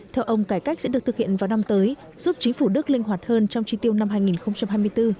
theo ông cải cách sẽ được thực hiện vào năm tới giúp chính phủ đức linh hoạt hơn trong chi tiêu năm hai nghìn hai mươi bốn